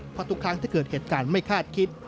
เพราะทุกครั้งที่เกิดเหตุการณ์ไม่คาดคิด